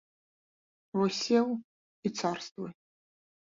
Вось сеў і царствуй.